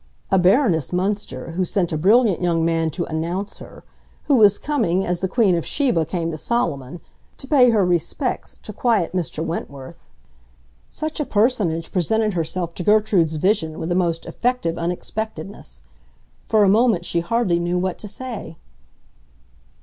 A Baroness Münster, who sent a brilliant young man to "announce" her; who was coming, as the Queen of Sheba came to Solomon, to pay her "respects" to quiet Mr. Wentworth—such a personage presented herself to Gertrude's vision with a most effective unexpectedness. For a moment she hardly knew what to say.